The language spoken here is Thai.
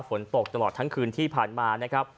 ฝนโต๊ะตลอดทั้งคืนที่ผ่านมา